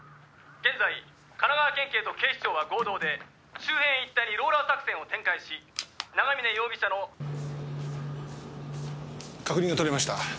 「現在神奈川県警と警視庁は合同で周辺一帯にローラー作戦を展開し長嶺容疑者の」確認が取れました。